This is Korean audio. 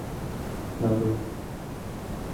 나도!